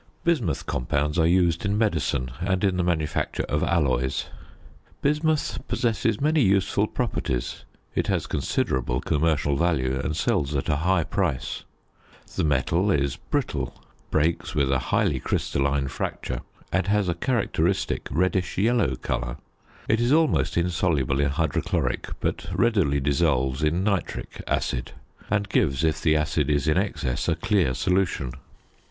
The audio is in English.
Bismuth compounds are used in medicine and in the manufacture of alloys. Bismuth possesses many useful properties. It has considerable commercial value, and sells at a high price. The metal is brittle, breaks with a highly crystalline fracture, and has a characteristic reddish yellow colour. It is almost insoluble in hydrochloric, but readily dissolves in nitric, acid; and gives, if the acid is in excess, a clear solution.